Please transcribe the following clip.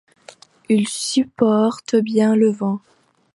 Il supporte bien le vent.